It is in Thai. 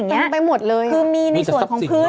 ขึ้นไปหมดเลยอะมีจะซับสิ่งเนี้ย